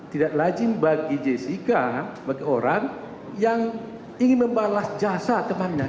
tidak lajim bagi jessica bagi orang yang ingin membalas jasa temannya